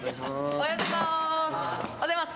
おはようございます。